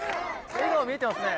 笑顔が見えてますね。